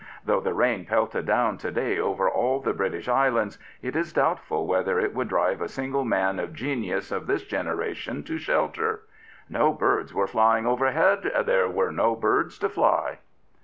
Though the rain pelted down to day over all the British islands, it is doubtful whether it would drive a single man of genius of this generation to shelter. " No birds were flying overhead: there were no birds to fly."